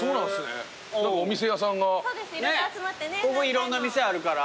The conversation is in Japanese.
いろんな店あるから。